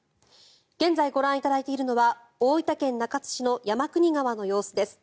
現在ご覧いただいているのは大分県中津市の山国川の様子です。